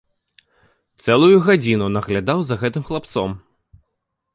Цэлую гадзіну наглядаў за гэтым хлапцом.